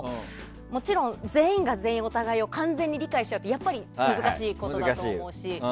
もちろん、全員が全員お互いを完全に理解し合うってやっぱり難しいことだと思うし。